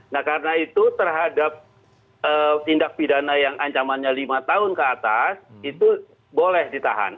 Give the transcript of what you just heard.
nah karena itu terhadap tindak pidana yang ancamannya lima tahun ke atas itu boleh ditahan